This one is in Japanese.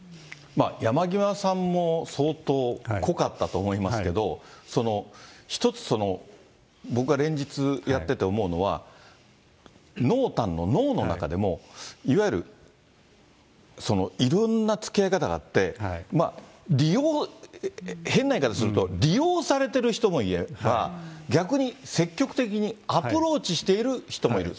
山際さんも相当濃かったと思いますけども、１つ、僕が連日やってて思うのは、濃淡の濃の中でも、いわゆる、いろんなつきあい方があって、利用、変な言い方すると、利用されてる人もいれば、逆に積極的にアプローチしている人もいる。